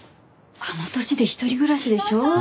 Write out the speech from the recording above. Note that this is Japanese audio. あの年で一人暮らしでしょ。